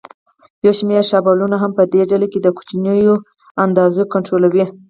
یو شمېر شابلونونه هم په دې ډله کې د کوچنیو اندازو کنټرولوي.